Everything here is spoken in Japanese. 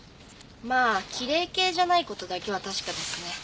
まあきれい系じゃない事だけは確かですね。